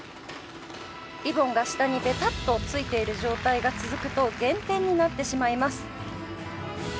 リボンが下にベタッとついている状態が続くと減点になってしまいます。